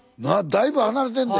だいぶ離れてんで